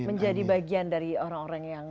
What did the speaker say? menjadi bagian dari orang orang yang